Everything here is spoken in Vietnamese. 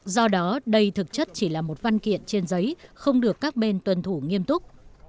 do đó đây thực chất chỉ là một văn kiện trên giấy không được các bên tuân thủ nghiêm túc